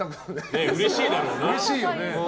うれしいだろうな。